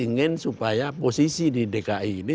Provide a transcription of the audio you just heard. ingin supaya posisi di dki ini